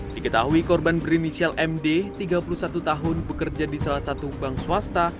diketahui korban berinisial md tiga puluh satu tahun bekerja di salah satu bank swasta